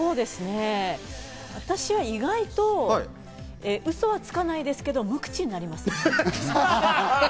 私は意外とうそはつかないですけど、無口になります。